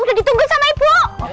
udah ditunggu sama ibu